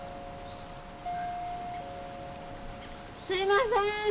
すいません！